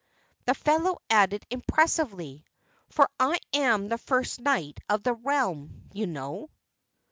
The fellow added impressively, "For I am the First Knight of the Realm, you know."